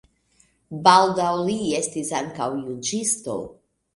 Baldaŭ li estis ankaŭ juĝisto.